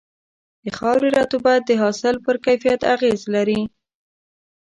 د خاورې رطوبت د حاصل پر کیفیت اغېز لري.